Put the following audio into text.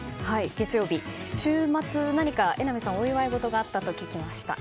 月曜日、週末何か榎並さんお祝い事があったと聞きました。